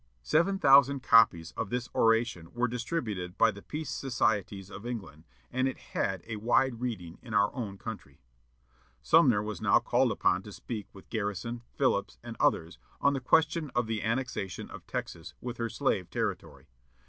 '" Seven thousand copies of this oration were distributed by the Peace Societies of England, and it had a wide reading in our own country. Sumner was now called upon to speak with Garrison, Phillips, and others, on the question of the annexation of Texas with her slave territory.